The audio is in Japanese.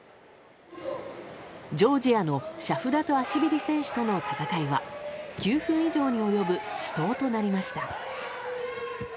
ジョージアのシャフダトゥアシビリ選手との戦いは９分以上にわたる死闘となりました。